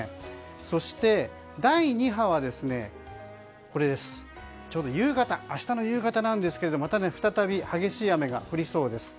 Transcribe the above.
そして、第２波はちょうど明日の夕方なんですが再び激しい雨が降りそうです。